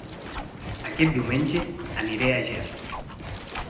Aquest diumenge aniré a Ger